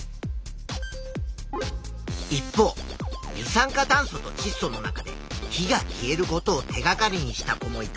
一方二酸化炭素とちっ素の中で火が消えることを手がかりにした子もいた。